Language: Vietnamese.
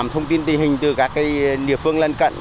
thông tin tình hình từ các địa phương lân cận